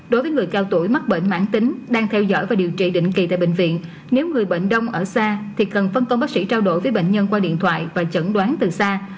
đối với người cao tuổi mắc bệnh mãn tính đang theo dõi và điều trị định kỳ tại bệnh viện nếu người bệnh đông ở xa thì cần phân công bác sĩ trao đổi với bệnh nhân qua điện thoại và chẩn đoán từ xa